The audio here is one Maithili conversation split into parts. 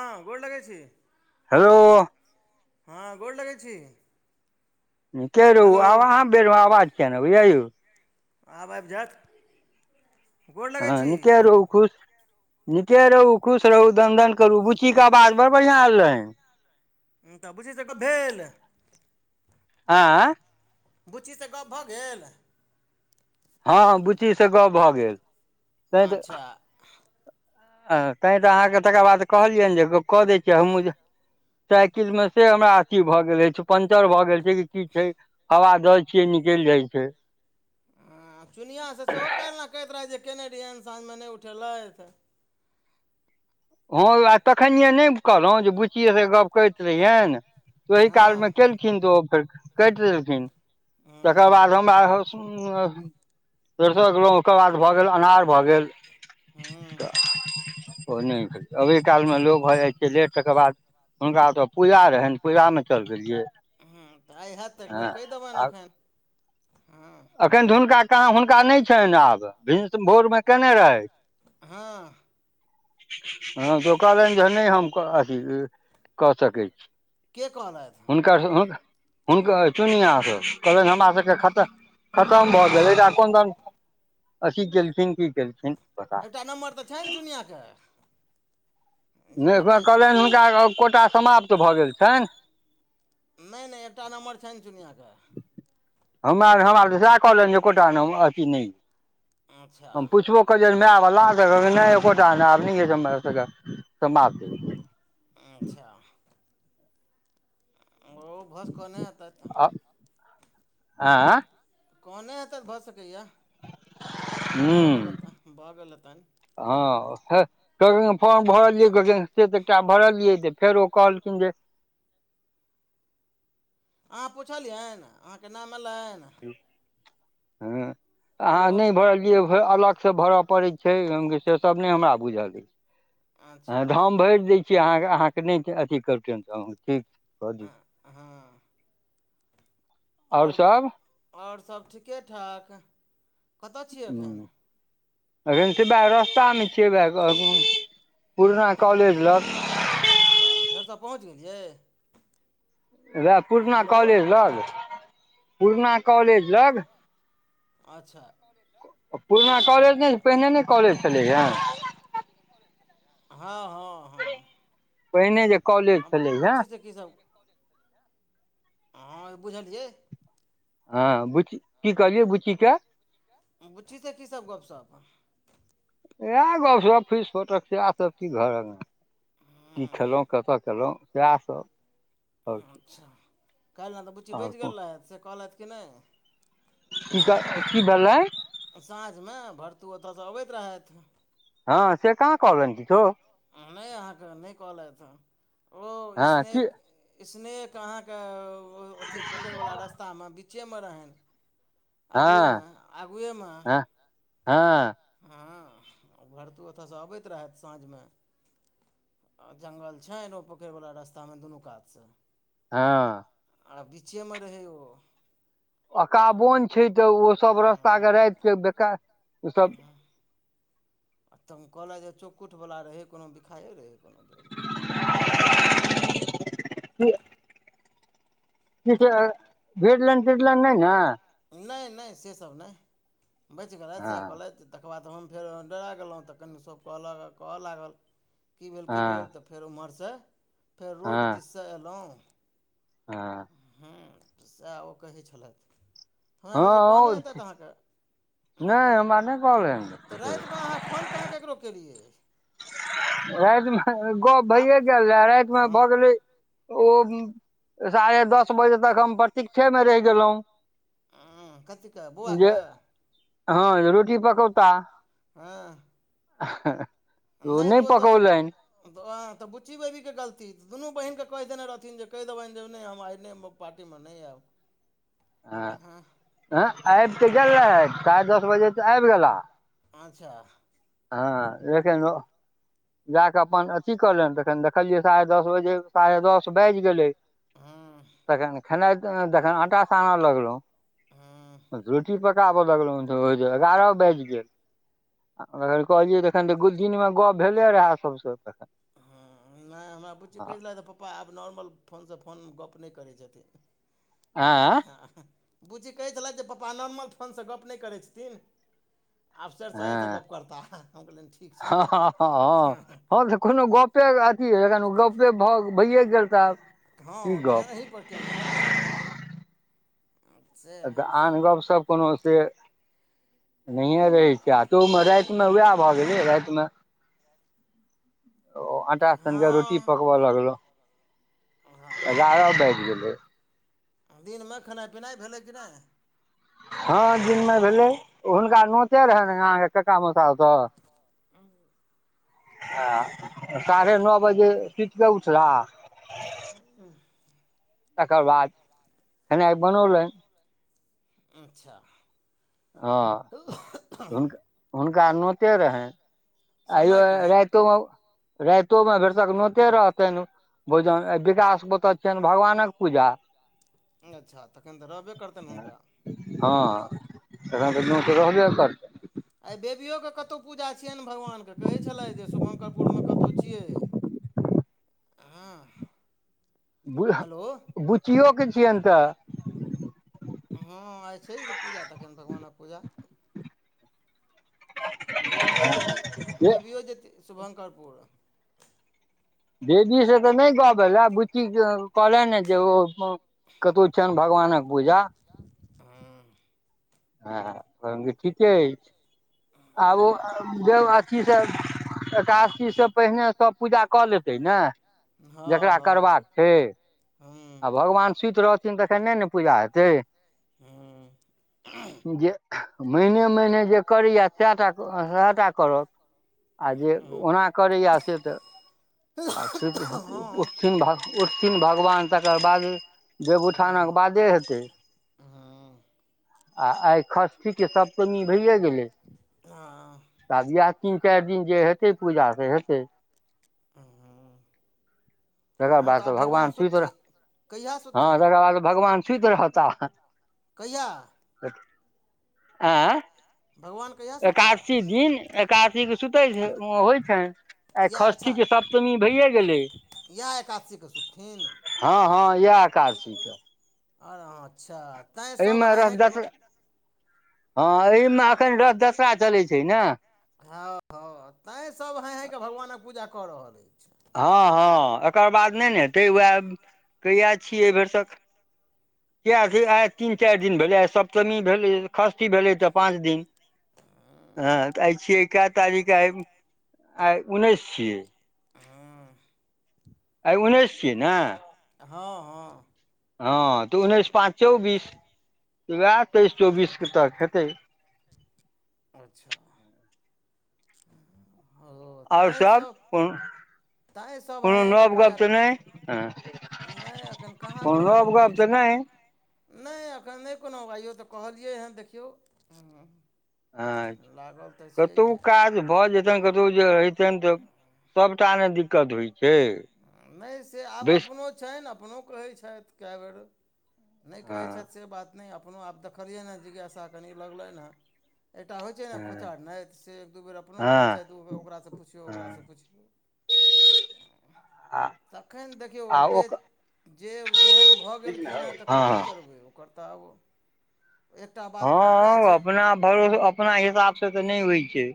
हँ गोड़ लगै छी। हेलो। हँ गोर लगै छी। नीके रहू हेलो आब अहाँ बेरमे आवाज किये नई अबैये यौ। आब आबि जैत। हँ नीके रहु खुश नीके रहु खुश रहू दनदन करु बुची के आवाज बड़ बढ़ियां आयल रहय। ह तऽ बुचि स गप्प भेल? आँ। बुच्चीसँ गप भऽ गेल? हँ हँ बुच्ची से गप भऽ गेल। अच्छा। हँ ताइ तऽ अहाँके तकर बाद कहलियनि जे एकबे कऽ दै छियै हमहूँ जे साइकिल मे से हमरा अथी भए गेल अछि पंचर भए गेल छै कि की छै हवा द छियई निकलि जाइ छै। हँ चुनिआँसँ सेहो काल्हिना कहैत रहथि जे केने रहीयन साँझमे नहि उठेलथि। हँ आ तखनिे नहि कहलहुँ जे बुच्चिएसँ गप्प करैत रहियैन ओहि हँ कालमे के खिन तऽ ओ फेर कटि देलखिन तकर हँ बाद हमरा [unintelligible] तेरसो गेलिल ओकर बाद भऽ गेल अनार भऽ गेल हँ तऽ ओ नहि अभी कालमे लो भऽ जाइ छै लेट तकर बाद हुनका ओ तऽ पूजा रहनि पूजामे चलि गेलियै हँ तऽ आइ हैत तऽ [unintelligible] एक बेर हँ कहि देबनि आ एखन हँ। एखन तऽ हुनका कहाँ हुनका नहि छनि आब भिनस भोरमे केने रहथि हँ। हँ तोक लन जन नहि हम अथी कऽ सकैत छी। के कहल आय ा हुनकरु हुनकर चुनिआसँ कहलनि हमरा सबके खतर खतम भऽ गेलै [unintelligible] तऽख ध अथी केलखिन की केलखिन पता एकटा नम्बर तऽ छैनि ने चुनिियाँके नहि ह छी कहलनि हुनका कोटा समाप्त भऽ गेल छनि नहि-नहि एकटा नम्बर छनि चिनिियाँके हमरार हमरा आर तऽ सएह कहलनि जे एकोटा ने अथी नहि अच्छा हम पुछबो [unintelligible] कोटाब [unintelligible] अच्छा ओ भस क नहि आता तऽ आ आँ कने हेतनि भऽ सकैएा भऽ ह्म्म गेल हेतनि, भऽ गेल हेतनि हँ ह क फोर्न भरलियै क से त एकटा भरलियै तऽ फेर ओ कहलखिन जे अहाँ पुछलियनि अहाँके नाम अलनि? हेलो अहाँ नहि भरलियैलग सभ भरा पडै छै हम केह से सब नै हमा बुझालि अच्छा हम भैर दे कि अहाँ अहाँके नहि अथी करतन तऽ अहँ ठीक छै कऽ दियौ हाँ। आओर सभ आओर-आओर सब ठीके ठाक। कतय छियै एखन? ह्म्म एखन से वएह रस्तामे छियै वएह पुरना कॉलेज लग अच्छा सरिसा पहुँच गेलियै? र पुरना हेलो कॉलेज लग पुरना कॉलेज लग अच्छा [unintelligible] पुरना अच्छा कॉलेज नहि, अच्छा पहिने नहि कॉलेज छलैएे हँ-हँ हँ पहिने जे कॉलेज छलै हे देखी जा हँ बुझलियै हँ बुच्ची की कहलियै बुच्चीे ट बुचछी से कीसभ गपशप इएह गपस फीस फोटक सएह सब क घर अङ्ग, की खेलहुँ कतऽ केलहुँ? इएह सब आओर की अच्छा काल्हि ने तऽ बुच्ची आओर बचि कोन गेल रहथि से कहलथि कि नहि की क की भेलाला? साँझमे भरतीू ओतयसँ अबैत रहथि हँ से कहाँ कहली तो नहि अहाँके नहि कहलयत ओ हँ की स्नेक स्नेक अहाँके अथी पोखरिवला रस्तामे बीचेमे रहनि आगुएमे आगुएमे हँ-हँ-हँ हँ भरतू ओतयसँ अबैत रहथि साँझमे जंगल छैन नहि ओ पोखरि वला रस्ता मे दुनू कात से। हाँ। आ बीचेमे रहै ओ अकाबोन छैय तऽ ओ सब रस्ता के रात के बेकार ओ सब आ तऽ कहलथि जे चौकुटवला रहै कुनु बिखाइए रहै कुनु दे। [unintelligible] त किछु भिड़ लेन, तिड़ लेन नहि ने। नहि-नहि से सब नहि बैच गेलेथ से हँ कहलेथ। तकर बाद तऽ हम फेर डरा गेलहुँ तऽ कनि सब कहलक कहऽ लागल की भेल की भेल हँ तऽ फेर ओम्हरसँ फेर रोड दिससँ अयलहुँ। हाँ। हूँ सएह ओ कहै छलथि। हमरा भेले कहने हँ एतै त अहाँके नहि कह हमरा नहि तऽ [unintelligible] कहलनि रातिमे अहाँ फोन कहाँ ककरो केलियै? रातिमे गप्प आब भइए गेल रहए रातिमे भऽ गेलै ओ साढ़े दस बजे तक हम प्रतीक्षेमे रहि गेलहुँ। उ कथीके बौआके? हाँ रोटी पकौता हँ [unintelligible] हाहा नहि तऽ ओ तऽ [unintelligible] तऽँ तऽ बुच्ची बेबीके गलती दुनू बहनकेँ कहि देने रहथिन जे कहि देबनि जे नहि हम एने। पार्टीमे नहि आयब। हँ आँ-आँ आबि तऽ गेल रहै साढ़े दस बजे तऽ आबि गेला। अच्छा हाँ लेकिन उ जा कऽ अपन अथी करलनि तऽखन देखलियै साढ़े दस बजे साढ़े दस बाजि गेलै। हँ तखन खेनाइ जखन आटा साने हँ लगलहुँ [unintelligible] रोटी पकाबऽ लगलों तँ एगारह बेज गेल। कहलियै तऽखन तऽ दछ दिनमे गप्प भेलै रहए सभसँ तखन उ नहि हमरा बुची कह लऽ पापा आब नॉर्मल फोनसँ फोन गप नहि करै छथिन आ आँय घरे हँ-हँ बुची कहै छलथि जे पप्पा नॉर्मल फोनसँ गप्प नहि करै छथिन। आबसेरसँ एतऽ हँ गप्प करता हा हम कहलियनि ठीक छैथ हा हाँ। ह तऽ कोनो गपे अथीन गपे भऽ भैए गेल भइये गेल। तऽ आब की हाँ तखन गप एहिही पर किए ने हेत। तऽ आन गपशप कोनो से नहिए रहैत छैय। त ओहिमे राति मे वएह भऽ गेलै रातिमे। ओ आटा सनिके रोटी हँ पकबऽ लगलो। हाँ गेलै दिनमे खेनाइ-पिनाइ भेलै कि नहि? हाँ दिनमे भेलै हुनका नोते रहनि अहाँके कक्का मसा स अ साढ़े नो बजे सुटके उठला। उ [unintelligible] तकर बाद खेनाइ बनौलनि। अच्छा। हाँ हु हुनका नोते रहनि आइयो समयके राति तो रातोमे भरसक नोते रहतेन। बोझन विकास ओतऽ छियनि भगवानक पूजा। अच्छा तखन तऽ रहबे करतनि हुनका। हाँ तखन त नोत रहबे करतेन। आइ बेबियओके कतौ पूजा छियैन भगवानके कहै छलै जे शुभङ्करपुरमे कतहु छियै। हुं। बु बुच्चिओके छियनि तऽ। हँ आइ छै तऽ पूजा तखन भगवानक पूजा। बेबियो जेती जे बेबियो जेती शुभंकरपुर। बेबी से तऽ नहि गप भेल आ बुच्ची कहलैन हैं जे ओ कतहु छैन भगवानक पूजा। [unintelligible] हँ। हँ तहन त ठीके अछि आब ओ जब अथीसँ एकादशीस पहिने सभ पूजा कऽ लेतै ने। हँ जकरा करबाक हँ छै हँ आ भगवान सुति रहथि थिन तखन नै ने पूजा हेतय। हँ। जे महीने महीने जे करैए सएह टा सएह टा करत। आ जे हँ ओना करैए से तऽ आ हँ उटथिन भाग उठथिन भगवान तकर बाद देवउठानके बादे हेतय। हँ। आ आइ खस्ठी की सप्तमी भैेए गेलय। ह। तऽब इएह तीन चारि दिन जे हेतै पूजा से हेतै। हुंह। तकर बाद तऽ भगवान सुति रह कहिया सुतथिन हँ तकर बाद तऽ भगवान सुति रहताह। कहिया? ऐं। भगवान। कहिया सुतता एकादासी दिन एकादासी के सुतै छै होइ छैन। आइ षष्ठीके सप्तमी भैए गेलै। यह एकादशी। हँ हँ इएह एकादशी क। आर हँ अच्छा तै सब एहिमे हाइ रथ हाइ दस क हँ एहिमे अखन रथ दशा चलैय छै ने। हँ। हँ तैं सब हाइ हाइ क भगवानक पूजा कऽ रहल अछि। हँ हँ एकर बाद नहि ने हेतै उएह कहिआ छियै एहि भरिसक किएक छै आइ तीन चारि दिन भेलै आइ सप्तमी भेलै षष्ठी भेलै तऽ पाँच दिन। हँ तऽ आय छियै क तारीख आइ आइ उन्नैस छिय आइ उन्नैस छियै ने। हँ हँ। हँ तऽ उन्नैस पाँच चौबीस तऽ ओएह तेइस चौबीसके तक हेतै। अच्छा ह आओर सभ कोनो तैँ सभ कोनो हँइ हँइ कऽ नव पूजा गप तऽ नहि ह। नहि एखन कहाँ कोनो नब गप तऽ नहि? नहि एखनि नहि कोनो आइयो तऽ कहलियै हैं देखियौ, हूं आछा कतहु काज भऽ जे ने कतौ जे रहितनि तऽ सबटा ने दिक्कत होइ छै नहि से आब बेस अपनो छनि अपनो कहै छथि कए बेर नहि हँ कहै छथि से बात नहि अपनो आब देखलियैन हैं जिज्ञासा कनि लगलैन हैं। एकटा होइ छै ने हँ खोचारनाइ त से एक दू बेर अपनो कहै हँ छथि जे ओ ओकरासँ पुछियौ ओकरासँ हँ पुछियौ। आ तखनि देखियौ आब जे ओकर जे जेहन भऽ गेलखिन हैं तकर हँ की करबै ओ ओकर त आब ओ हँ अपना भरोस अपना हिसाबसे तऽ नहि होइ छै।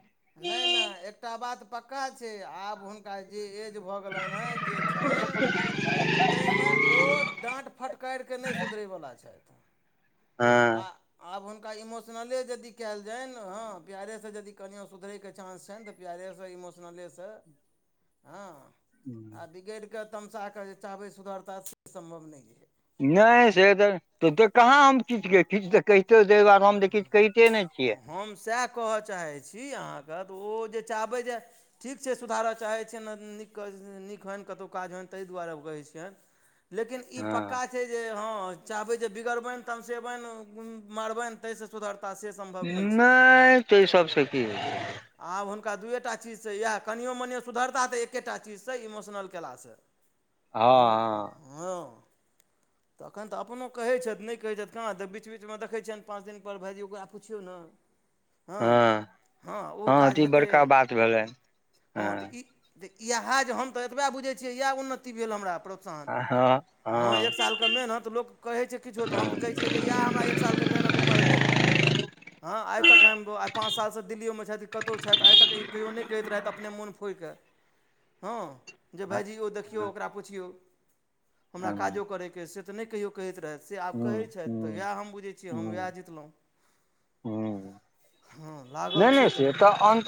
नहि नहि एकटा बात पक्का छै आब हुनका जे एज जे भऽ गेलनि हैं जे छनि [inaudible] तइमे ओ डाँट फटकारि कऽ नहि सुधरैवला छथि। हँ आ आब हुनका इमोशनले जदि कयल जानि हँ प्यारेसँ जदि कनियो सुधरैके चांस छनिऽ त प्यारेस इमोशनलेसे हँ आ बिगड़ि कऽ तमसाक जे चाहबै सुधरता से सम्भव नइ ऐ। नहि से त त त कहाँ हम किछ कहै छी किछ त कहितो तै दुआरे हम तऽ किछ कहिते नै छियैन। हम सैह कहऽ चाहै छी अहाँके तऽ ओ जे चाहबै जे ठीक छै सुधारय चाहै छियनि ने नीक नीक होइन कतहु काज होइन ताहि दुआरे कहै छियनि [inaudible] लेकिन ई पक्का हँ छै जे हँ चाहबै जे बिगड़बनि, तमसेबनि, मारबनि तइ स सुधरता से सम्भव नहि छै। ताहि सबस की हेतइ? आब हुनका दूएटा चीजस यए कनियो मनियो सुधरता तऽ एके टा चीजसँ इमोशनल केला स। [inaudible] हो हां [unintelligible] तखनि तऽ अपनो कहैत छथि नहि कहैत छथि कहाँ तऽ बीच बीचमे देखै छियैनि पाँच दिनपर भायजी ओकरा पुछियौ ने हँ हँ ओ काज तऽ ई हेतै, बड़का बात भेलै हँ तऽ ई त येहे जे हम त एतबे बुझई छियई यैह उन्नति भेल हमरा प्रोत्साहन हँ हँ हं हँ एक साल के मेहनत लोक कहै छै किछो तऽ हम तऽ कहै हँ छियै जे इएह हमरा एक सालके मेहनत उपर भेल। हँ आइ तक आय हम बउवा आइ पाँच सालसँ दिल्लीओमे छथि कि कतहु छथि आइ तक कहियो नहि कहैत रहथि अपने मोन होइ के हँ। जे भायजी यौ देखियौ ओकरा पुछियौ हमरा हँ काजो करैके अय से तऽ नहि कहियो कहैत रहथि से आब कहैत हँ छथि तऽ हँ यैह हम बुझैत छियै हम उएह हँ जितलहुँ। हँ हँ लागल छै तक अन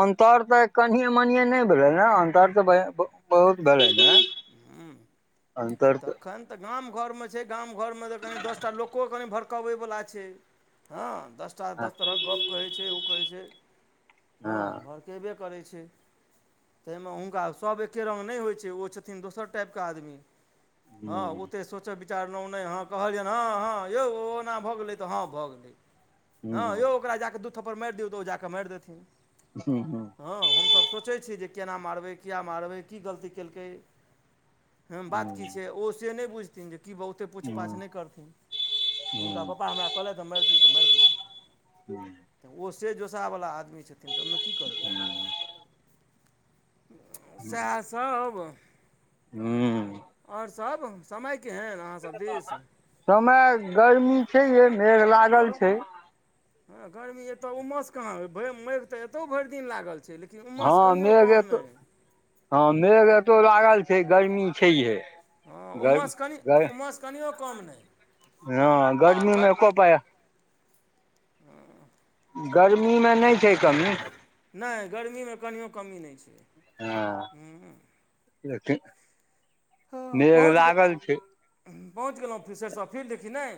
अन्तर तऽ कनिए मनिए नहि भेलै ने, अन्तर तऽ बे बहुत भेलै ने। ह्म्म तखन तऽ गाम घरमे छै, गाम घरमे तऽ कनि दसटा लोको कनि भर क बै बला छै, हा दस टा हँ दस तरहक गप्प कहै छै, ओ कहै छै, हँ भरकेबे करै छै। ताहिमे हुनका सभ एके रङ्ग नहि होइ छै, ओ छथिन दोसर टाइपके आदमी। हँ ओतेक सोचय विचारलहुँ नहि हँ, कहलियनि हँ हँ यौ ओना भऽ गेलै तऽ हँ भऽ गेलै। हँ यौ ओकरा जा कऽ दू थप्पर मारि दियौ, तऽ ओ जा कऽ मारि देथिन। हूं हूं हँ हमसभ सोचै छी, जे केना मारबै, किया मारबै की गलती केलकै? ह बात हँ की छै? ओ से नहि बुझथिन जे तऽ की ब ओते पूछ पाछ नहि करथिन, हुनका पप्पा हमरा कहलथिऽ मारि दियौ तऽ मरि देबै। [inaudible] तऽ ओ से जोशाहवला आदमी छथिन तऽ ओहिमे की करबै? सएहसभ हम्म आओर सब? समय केहन अहाँसभ दिस समय गर्मी छै य, मेघ लागल छै हँ गर्मी एतय उमस कहाँ? मेघ तऽ एतौ भैर दिन लागल छै लेकि कि हँ उमहरस कनियओ मेघ कम नै एतो हे। हँ मेघ एतो लागल छै, गर्मी छये। हँ उमसँ कनि उमसँ कनिओ कम नै। हँ गर्मी मे एको पाया हँ गर्मीमे नहि छै कमी। नहि गर्मीमे कनियओ कमी नै छै। हँ हँ [unintelligible] मेघ पहुँच गेल लागल छै। पहुँच गेलहुँ [unintelligible] सरिसो फीलड कि नहि?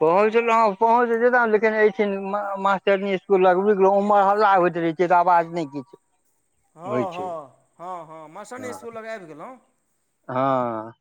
पहुँचलो ह पहुँच जेत लेकिन एठिन मासटरनी इकुल लगब गेल उमर हल्ला होइत रहे छै। क त आबाज नहि क हँ-हँ- हँ- हँ मास्टरनी इसकुल लग आबि गेलहु। हाँ